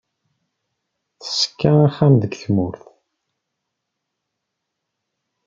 Teṣka axxam deg tmurt.